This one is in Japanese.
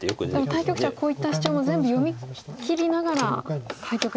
でも対局者はこういったシチョウも全部読みきりながら対局してるということ。